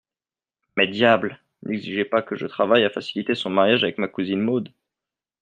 Mais, diable ! n'exigez pas que je travaille à faciliter son mariage avec ma cousine Maud.